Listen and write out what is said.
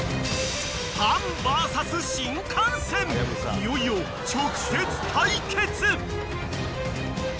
［いよいよ直接対決！］